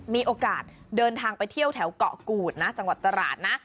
มีโอกาสเดินทางไปเที่ยวแถวเกาะกูดนะจังหวัดตราดนะ